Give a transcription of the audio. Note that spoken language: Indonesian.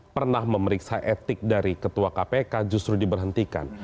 pernah memeriksa etik dari ketua kpk justru diberhentikan